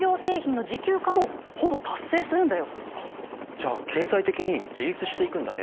そしてあっじゃあ経済的に自立していくんだね。